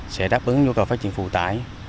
sẽ đáp ứng nhu cầu phát triển phụ tài